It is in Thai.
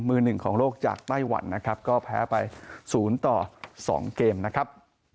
มือ๑ของโลกจากไต้หวันก็แพ้ไป๐๒เกมนะครับ